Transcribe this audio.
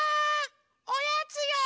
おやつよ！